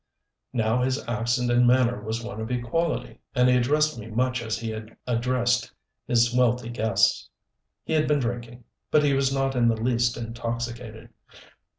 Now his accent and manner was one of equality, and he addressed me much as he had addressed his wealthy guests. He had been drinking; but he was not in the least intoxicated.